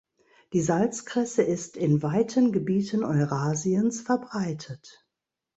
Die Salz-Kresse ist in weiten Gebieten Eurasiens verbreitet.